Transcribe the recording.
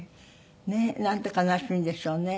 ねえ。なんて悲しいんでしょうね。